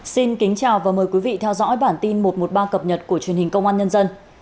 xin kính chào và mời quý vị theo dõi bản tin một trăm một mươi ba cập nhật của truyền hình công an nhân dân